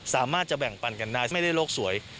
สามารถจะแบ่งปันกันได้ไม่ได้โลกสวย